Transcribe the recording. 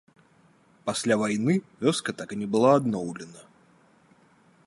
Пасля вайны вёска так і не была адноўлена.